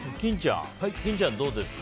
金ちゃん、どうですか？